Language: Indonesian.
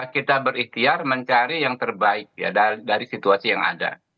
kita berikhtiar mencari yang terbaik dari situasi yang ada